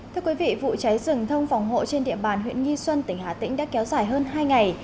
thưa quý vị vụ cháy rừng thông phòng hộ trên địa bàn huyện nghi xuân tỉnh hà tĩnh đã kéo dài hơn hai ngày